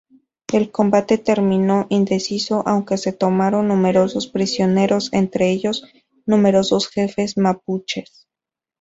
El combate terminó indeciso, aunque se tomaron numerosos prisioneros, entre ellos, numerosos jefes mapuches.